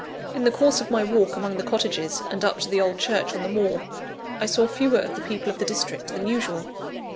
In the course of my walk among the cottages and up to the old church on the moor, I saw fewer of the people of the district than usual.